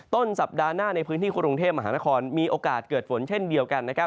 ต้นสัปดาห์หน้าในพื้นที่กรุงเทพมหานครมีโอกาสเกิดฝนเช่นเดียวกันนะครับ